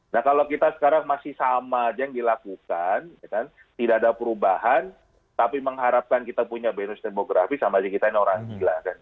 nah kalau kita sekarang masih sama aja yang dilakukan tidak ada perubahan tapi mengharapkan kita punya bonus demografi sama kita ini orang gila